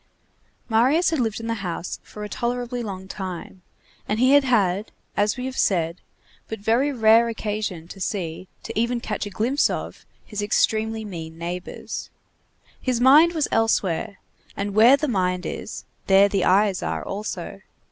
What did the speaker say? Marius had lived in the house for a tolerably long time, and he had had, as we have said, but very rare occasion to see, to even catch a glimpse of, his extremely mean neighbors. His mind was elsewhere, and where the mind is, there the eyes are also.